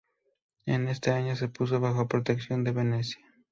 En este año se puso bajo protección de Venecia.